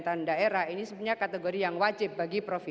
pada saat ini saya sangka sudah ditikuh